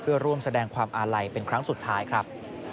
เพื่อร่วมแสดงความอาลัยเป็นครั้งสุดท้ายครับ